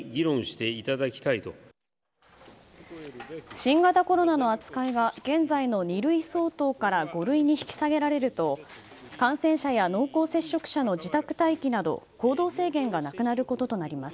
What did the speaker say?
新型コロナの扱いが現在の二類相当から五類に引き下げられると感染者や濃厚接触者の自宅待機など行動制限がなくなることとなります。